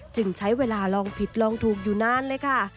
จึงใช้เวลาลองผิดลองถูกอยู่นานเลยค่ะ